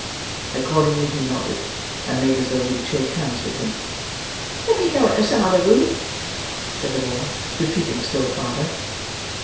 Accordingly he nodded, and made as though he would shake hands with him. "Let me go into some other room," said the boy, retreating still farther.